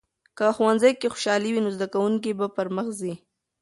که ښوونځي کې خوشالي وي، نو زده کوونکي به پرمخ ځي.